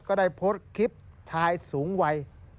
ก็ได้โพสต์คลิปชายสูงวัย